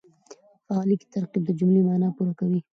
فعلي ترکیب د جملې مانا پوره کوي.